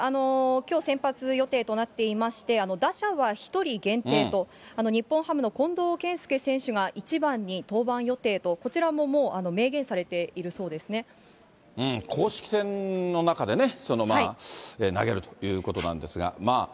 きょう先発予定となっていまして、打者は１人限定と、日本ハムの近藤けいすけ選手が１番に登板予定と、こちらももう明公式戦の中でね、投げるということなんですが。